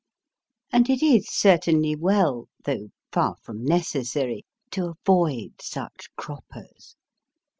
And it is certainly well, though far from necessary, to avoid such croppers.